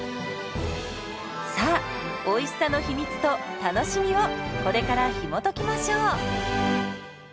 さあおいしさの秘密と楽しみをこれからひもときましょう。